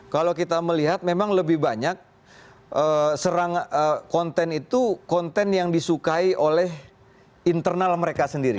kalau kita melihat memang lebih banyak serang konten itu konten yang disukai oleh internal mereka sendiri